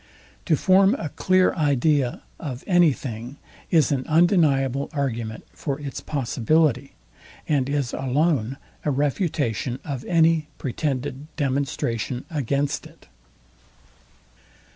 To form a clear idea of any thing, is an undeniable argument for its possibility, and is alone a refutation of any pretended demonstration against it.